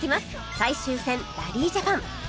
最終戦ラリージャパン